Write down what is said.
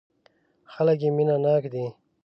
خلک یې مینه ناک دي.